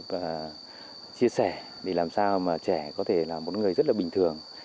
và chia sẻ để làm sao mà trẻ có thể là một người rất là bình thường